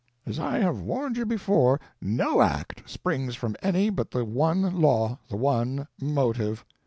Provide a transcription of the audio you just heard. As I have warned you before, no act springs from any but the one law, the one motive.